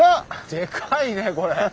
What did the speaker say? でかいねこれ。